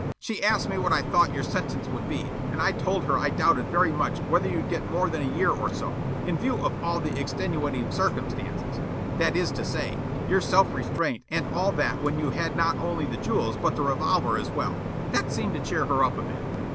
"She asked me what I thought your sentence would be, and I told her I doubted very much whether you'd get more than a year or so, in view of all the extenuating circumstances, that is to say, your self restraint and all that when you had not only the jewels but the revolver as well. That seemed to cheer her up a bit."